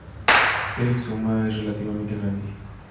Esa suma es relativamente grande.